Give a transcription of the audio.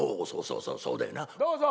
「どうぞ！